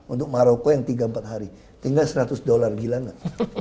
untuk maroko yang tiga empat hari tinggal seratus dolar gilangan